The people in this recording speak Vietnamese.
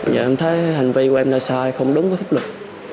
giờ em thấy hành vi của em là sai không đúng với thích lực